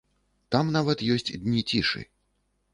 Там нават ёсць дні цішы.